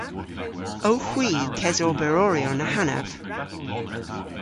Owgh hwi kesoberoryon ahanav?